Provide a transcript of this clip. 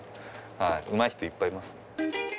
うまい人いっぱいいます。